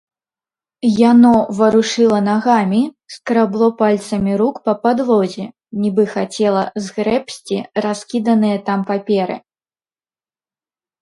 Яно варушыла нагамі, скрабло пальцамі рук па падлозе, нібы хацела згрэбці раскіданыя там паперы.